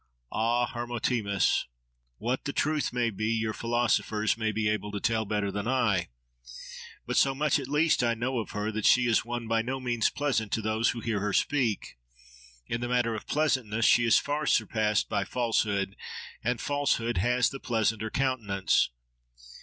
—Ah! Hermotimus! what the Truth may be, you philosophers may be able to tell better than I. But so much at least I know of her, that she is one by no means pleasant to those who hear her speak: in the matter of pleasantness, she is far surpassed by Falsehood: and Falsehood has the pleasanter countenance.